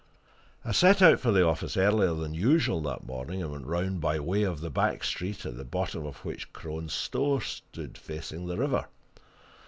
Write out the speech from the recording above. I set out for the office earlier than usual that morning, and went round by way of the back street at the bottom of which Crone's store stood facing the river.